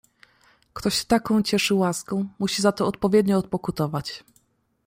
"Kto się taką cieszy łaską, musi za to odpowiednio odpokutować."